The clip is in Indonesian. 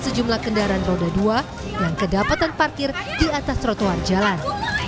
sejumlah kendaraan roda dua yang kedapatan parkir di atas trotoar jalan